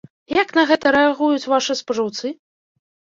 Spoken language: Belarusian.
Як на гэта рэагуюць вашы спажыўцы?